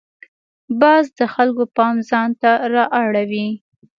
باز د خلکو پام ځان ته را اړوي